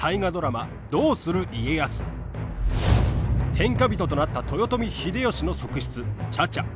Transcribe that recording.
天下人となった豊臣秀吉の側室茶々。